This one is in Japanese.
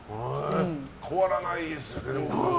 変わらないですよね。